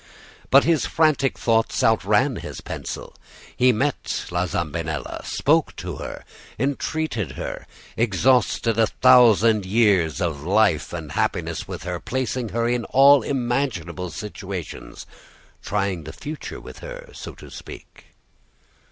But his frantic thoughts outran his pencil. He met La Zambinella, spoke to her, entreated her, exhausted a thousand years of life and happiness with her, placing her in all imaginable situations, trying the future with her, so to speak.